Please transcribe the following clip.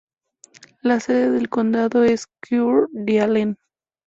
La sede del condado es Coeur d'Alene.